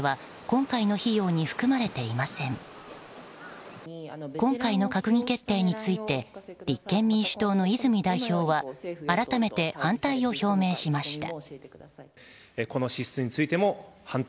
今回の閣議決定について立憲民主党の泉代表は改めて反対を表明しました。